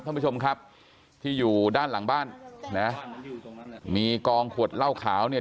ท่านผู้ชมครับที่อยู่ด้านหลังบ้านนะมีกองขวดเหล้าขาวเนี่ย